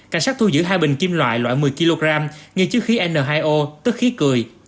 cảnh sát thu giữ hai bình kim loại loại một mươi kg nghi chứa khí n hai o tức khí cười